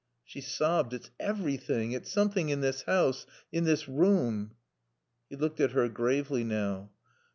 She sobbed. "It's everything. It's something in this house in this room." He looked at her gravely now.